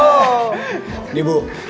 aku mau ke rumah